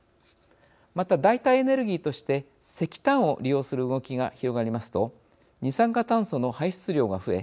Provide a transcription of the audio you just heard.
また、代替エネルギーとして石炭を利用する動きが広がりますと二酸化炭素の排出量が増え